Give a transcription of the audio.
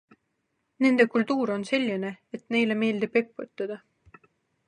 Nende kultuur on selline, et neile meeldib eputada.